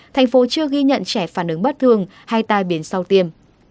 thành phố chưa ghi nhận trẻ phản ứng bất thường hay tai biến sau tiêm